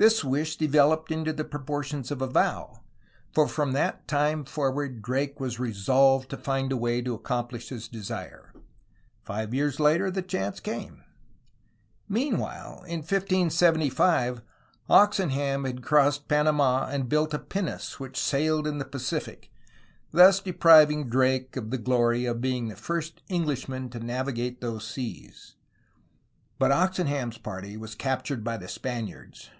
'' This wish developed to the proportions of a vow, for from that time forward Drake was resolved to find a way to accomplish his desire. Five years later the chance came. Meanwhile, in 1575, Oxenham had crossed Panama and built a pinnace which sailed in the Pacific, thus depriving Drake of the glory of being the first Englishman to navigate those seas, but Oxenham's party was captured by the Spaniards.